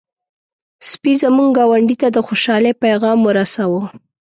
سپي زموږ ګاونډی ته د خوشحالۍ پيغام ورساوه.